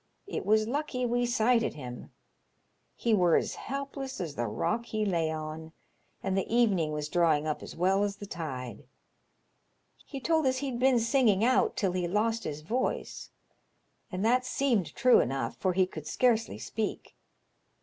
It was lucky we sighted him. He wur as helpless as the rock he lay on, and the evening was di^awing up as well as the. tide. He told us he'd been singing out till he lost his voice, and that seemed true enough, for he could scarcely speak.